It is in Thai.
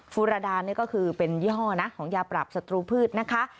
ฟูรดานี่ก็คือเป็นยี่ห้อนะของยาปราบศัตรูพืชนะคะ